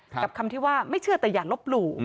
กับคำที่ว่าไม่เชื่อแต่อย่าลบหลู่